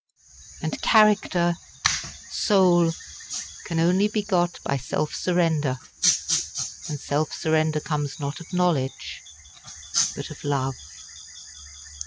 _" And character soul can only be got by self surrender; and self surrender comes not of knowledge but of love.